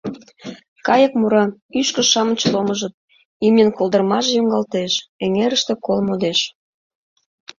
Кайык мура, ӱшкыж-шамыч ломыжыт, имньын колдырмаже йоҥгалтеш, эҥерыште кол модеш.